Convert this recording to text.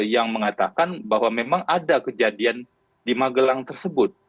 yang mengatakan bahwa memang ada kejadian di magelang tersebut